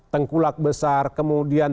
tengkulak besar kemudian